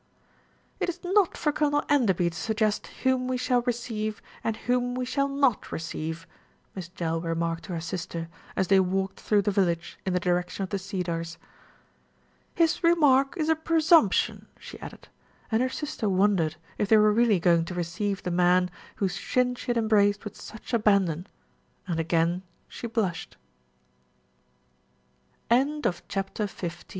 "It is not for Colonel Enderby to suggest whom we shall receive and whom we shall not receive," Miss Jell remarked to her sister, as they walked through the village in the direction of The Cedars. "His remark is a presumption," she added, and her sister wondered if they were really going to receive the man whose shin she had embraced